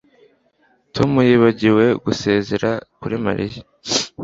Tom yibagiwe gusezera kuri Mariya